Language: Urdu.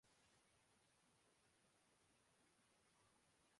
قومی کرکٹ ٹیم کے جنوبی افریقہ کیخلاف سیریز کا شیڈول جاری